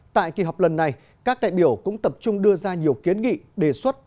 tại kỳ họp lần này các đại biểu cũng tập trung đưa ra nhiều kiến nghị đề xuất